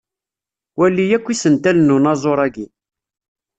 Wali akk isental n unaẓur-agi.